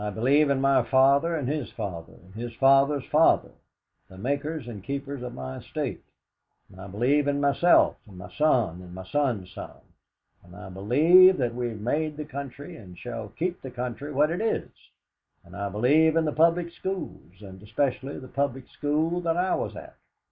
believe in my father, and his father, and his father's father, the makers and keepers of my estate; and I believe in myself and my son and my son's son. And I believe that we have made the country, and shall keep the country what it is. And I believe in the Public Schools, and especially the Public School that I was at.